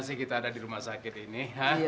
masih kita ada di rumah sakit ini